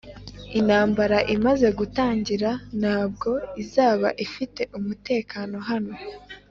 intambara imaze gutangira, ntabwo izaba ifite umutekano hano